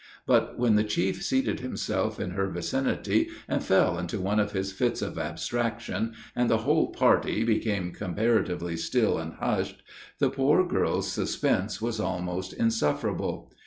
But when the chief seated himself in her vicinity, and fell into one of his fits of abstraction, and the whole party became comparatively still and hushed, the poor girl's suspense was almost insufferable.